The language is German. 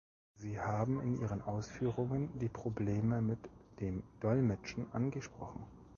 Sie haben in Ihren Ausführungen die Probleme mit dem Dolmetschen angesprochen.